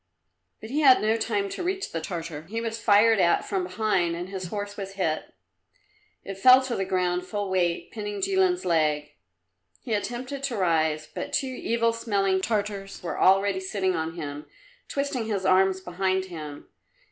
But he had no time to reach the Tartar; he was fired at from behind and his horse was hit. It fell to the ground full weight, pinning Jilin's leg. He attempted to rise, but two evil smelling Tartars were already sitting on him, twisting his arms behind him.